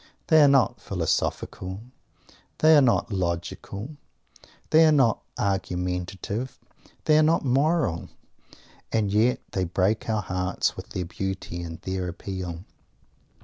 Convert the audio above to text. They are not philosophical. They are not logical. They are not argumentative. They are not moral. And yet they break our hearts with their beauty and their appeal!